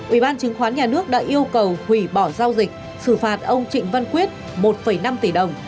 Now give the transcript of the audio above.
ủy ban chứng khoán nhà nước đã yêu cầu hủy bỏ giao dịch xử phạt ông trịnh văn quyết một năm tỷ đồng